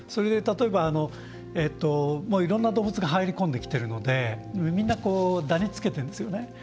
例えば、いろんな動物が入り込んできてるのでみんな、ダニつけてるんですよね。